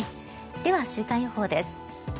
では、週間予報です。